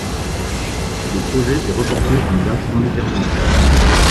Le projet est reporté à une date indéterminée.